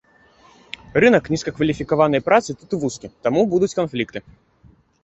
Рынак нізкакваліфікаванай працы тут вузкі, таму будуць канфлікты.